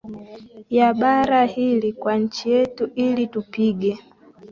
ya bara hili Kwa nchi yetu ili tupige